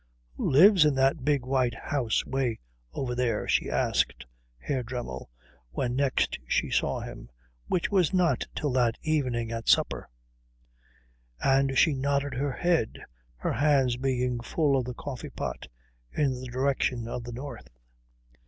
"Who lives in that big white house away over there?" she asked Herr Dremmel when next she saw him, which was not till that evening at supper; and she nodded her head, her hands being full of the coffee pot, in the direction of the north.